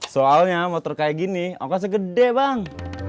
soalnya motor kayak gini aku kan segede bang